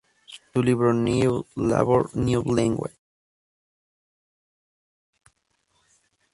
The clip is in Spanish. Su libro "New Labor, New Language?